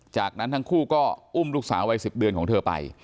จากนั้นทั้งคู่ก็อุ้มลูกสาววัย๑๐เดือนของเธอไป